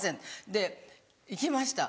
で行きました